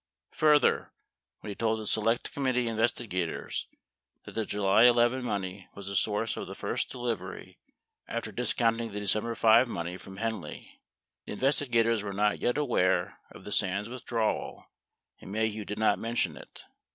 Further, when he told the Select Committee investigators that the July 11 money was the source of the first delivery after discounting the December 5 money from Henley, the investigators were not yet aware of the Sands withdrawal, and Maheu did not mention it.